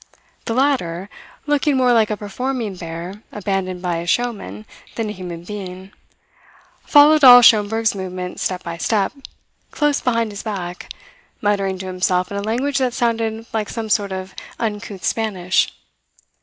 The latter, looking more like a performing bear abandoned by his show men than a human being, followed all Schomberg's movements step by step, close behind his back, muttering to himself in a language that sounded like some sort of uncouth Spanish.